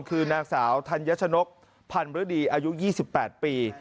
คือนางสาวธัญชนกพันธฤดีอายุ๒๘ปี